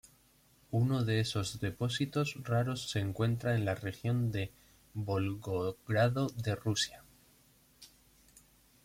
Uno de esos depósitos raros se encuentra en la región de Volgogrado de Rusia.